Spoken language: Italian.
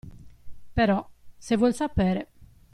Però, se vuol sapere.